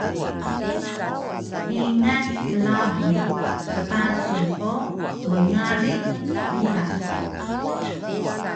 kingal klabuy ptasun o mngari pila